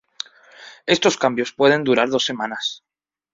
Estos cambios pueden durar dos semanas.